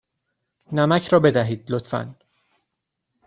نمک را بدهید، لطفا.